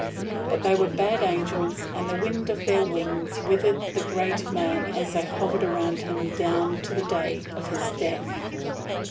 But they were bad angels, and the wind of their wings withered the great man as they hovered around him down to the day of his death.